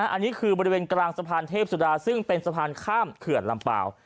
อันนี้คือบริเวณกลางสะพานเทพสุดาซึ่งเป็นสะพานข้ามเขื่อนลำเปล่า